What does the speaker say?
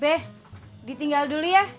beh ditinggal dulu ya